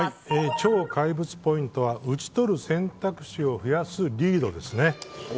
超怪物ポイントは打ち取る選択肢を増やすリードですね。